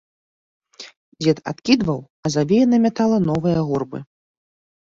Дзед адкідваў, а завея намятала новыя гурбы.